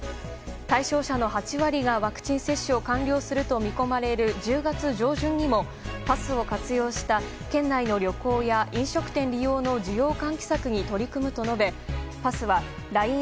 対象者の８割がワクチン接種を完了すると見込まれる１０月上旬にもパスを活用した県内の旅行や飲食店利用の需要喚起策に取り組むと述べパスはＬＩＮＥ